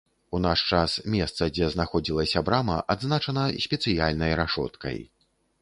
У наш час, месца дзе знаходзілася брама адзначана спецыяльнай рашоткай.